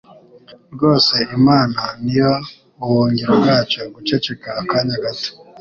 rwose Imana ni yo buhungiro bwacu guceceka akanya gato